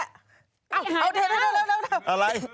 เอาเถอะเร็ว